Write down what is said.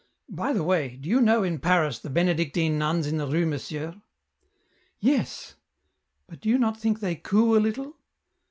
By the way, do you know in Paris, the Benedictine nuns in the Rue Monsieur ?"" Yes ; but do you not think they coo a little